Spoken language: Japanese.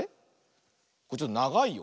これちょっとながいよ。